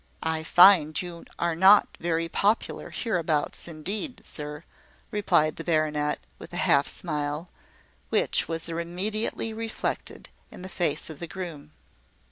"I find you are not very popular hereabouts, indeed, sir," replied the baronet, with a half smile, which was immediately reflected in the face of the groom.